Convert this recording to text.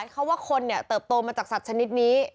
เขาว่าคนเนี่ยเติบโตมาจากสัตว์ชนิดนี้